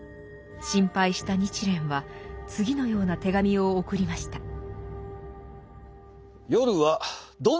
心配した日蓮は次のような手紙を送りました。